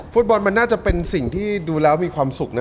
ฟุตบอลมันน่าจะเป็นสิ่งที่ดูแล้วมีความสุขนะ